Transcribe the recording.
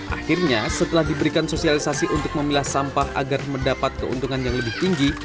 akhirnya setelah diberikan sosialisasi untuk memilah sampah agar mendapat keuntungan yang lebih tinggi